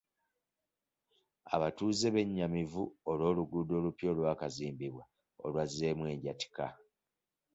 Abatuuze bennyamivu olw'oluguudo olupya olwakazimbibwa olwazzeemu enjatika.